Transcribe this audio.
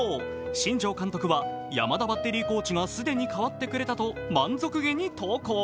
新庄監督は山田バッテリーコーチが既に変わってくれたと満足げに投稿。